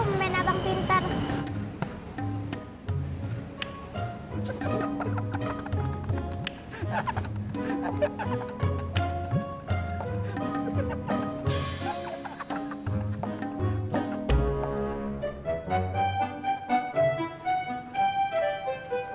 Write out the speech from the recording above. nah sebenarnya saat ini